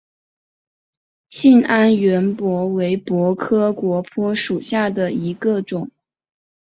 兴安圆柏为柏科圆柏属下的一个种。